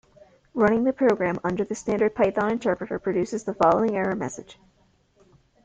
Running the program under the standard Python interpreter produces the following error message.